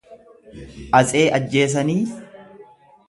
Atsee ajjeesanii